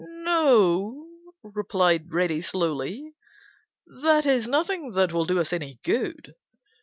"No o," replied Reddy slowly; "that is, nothing that will do us any good.